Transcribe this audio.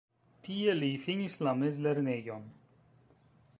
Tie li finis la mezlernejon.